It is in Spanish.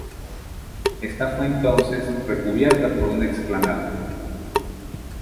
Esta fue entonces recubierta por una explanada.